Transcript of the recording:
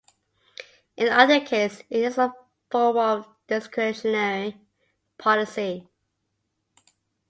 In either case, it is a form of discretionary policy.